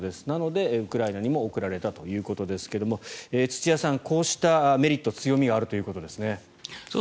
なので、ウクライナにも送られたということですが土屋さん、こうしたメリット強みがあるということですね。